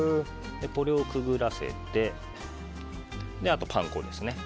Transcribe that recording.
これをくぐらせてあと、パン粉ですね。